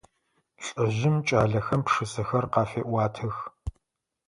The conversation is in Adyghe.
Лӏыжъым кӏалэхэм пшысэхэр къафеӏуатэх.